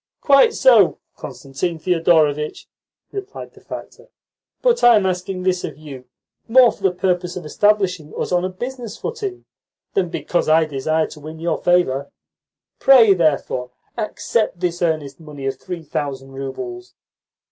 "Quite so, Constantine Thedorovitch," replied the factor. "But I am asking this of you more for the purpose of establishing us on a business footing than because I desire to win your favour. Prey, therefore, accept this earnest money of three thousand roubles."